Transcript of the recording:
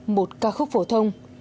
một ca khúc phổ thông